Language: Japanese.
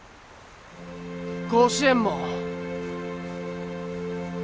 甲子園も。